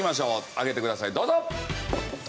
上げてくださいどうぞ！